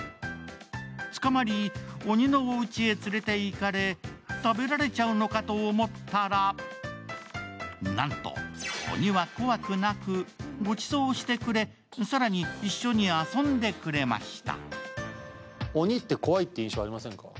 捕まり鬼のおうちへ連れていかれ、食べられちゃうのかと思ったらなんと、鬼は怖くなく、ごちそうしてくれ、更に一緒に遊んでくれました。